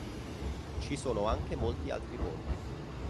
Ci sono anche molti altri ponti.